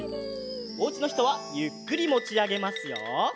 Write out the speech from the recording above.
おうちのひとはゆっくりもちあげますよ。